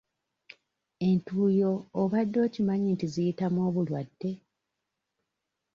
Entuuyo obadde okimanyi nti ziyitamu obulwadde?